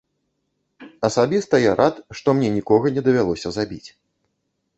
Асабіста я рад, што мне нікога не давялося забіць.